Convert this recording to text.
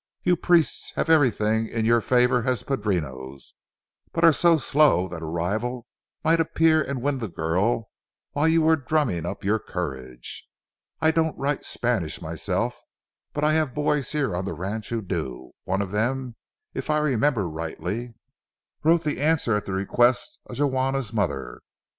You priests have everything in your favor as padrinos, but you are so slow that a rival might appear and win the girl while you were drumming up your courage. I don't write Spanish myself, but I have boys here on the ranch who do. One of them, if I remember rightly, wrote the answer at the request of Juana's mother.